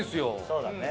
そうだね。